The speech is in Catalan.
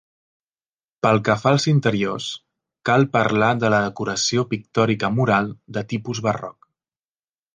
Pel que fa als interiors, cal parlar de la decoració pictòrica mural de tipus barroc.